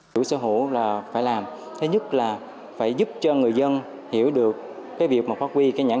chủ sở hữu là phải làm thứ nhất là phải giúp cho người dân hiểu được cái việc mà phát huy cái nhận